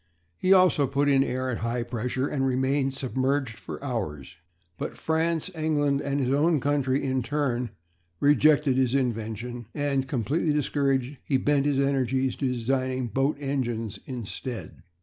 He also put in air at high pressure and remained submerged for hours. But France, England, and his own country in turn rejected his invention; and, completely discouraged, he bent his energies to designing boat engines instead.